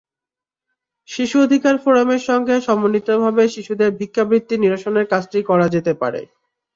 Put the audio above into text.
শিশু অধিকার ফোরামের সঙ্গে সমন্বিতভাবে শিশুদের ভিক্ষাবৃত্তি নিরসনের কাজটি করা যেতে পারে।